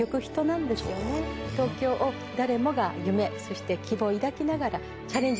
東京を誰もが夢そして希望を抱きながら。